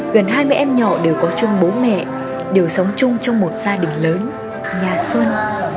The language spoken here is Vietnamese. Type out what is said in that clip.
gần hai mươi em nhỏ đều có chung bố mẹ đều sống chung trong một gia đình lớn nhà xuân